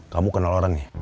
kamu kenal orang ya